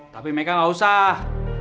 tapi mereka gausah